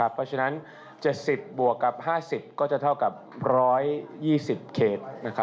เพราะฉะนั้น๗๐บวกกับ๕๐ก็จะเท่ากับ๑๒๐เขต